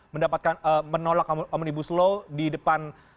mendapatkan menolak omnibus law di depan